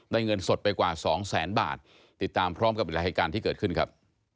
เงินสดไปกว่าสองแสนบาทติดตามพร้อมกับอีกหลายเหตุการณ์ที่เกิดขึ้นครับ